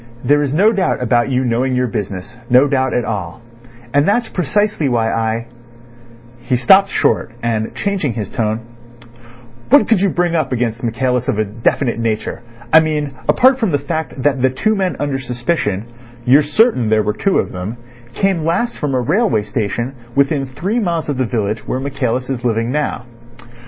"There is no doubt about you knowing your business—no doubt at all; and that's precisely why I—" He stopped short, and changing his tone: "What could you bring up against Michaelis of a definite nature? I mean apart from the fact that the two men under suspicion—you're certain there were two of them—came last from a railway station within three miles of the village where Michaelis is living now."